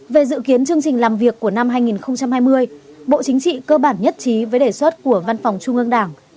về dự kiến chương trình làm việc của năm hai nghìn hai mươi bộ chính trị cơ bản nhất trí với đề xuất của văn phòng trung ương đảng